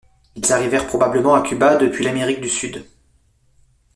Ils arrivèrent probablement à Cuba depuis l'Amérique du Sud.